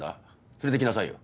連れてきなさいよ